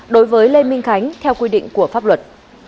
đối với lê minh khánh theo quy định của pháp luật